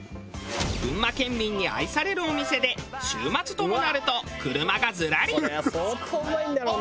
群馬県民に愛されるお店で週末ともなると車がずらり。